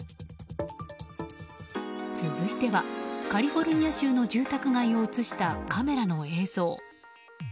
続いては、カリフォルニア州の住宅街を映したカメラの映像。